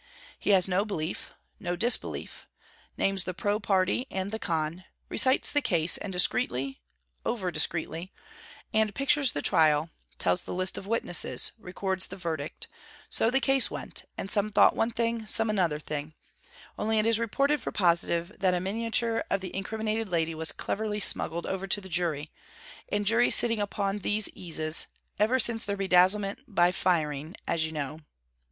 He has no belief, no disbelief; names the pro party and the con; recites the case, and discreetly, over discreetly; and pictures the trial, tells the list of witnesses, records the verdict: so the case went, and some thought one thing, some another thing: only it is reported for positive that a miniature of the incriminated lady was cleverly smuggled over to the jury, and juries sitting upon these eases, ever since their bedazzlement by Phryne, as you know....